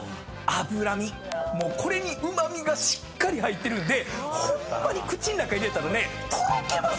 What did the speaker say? もうこれにうま味がしっかり入ってるんでホンマに口の中入れたらねとろけますよ！